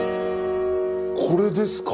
これですか？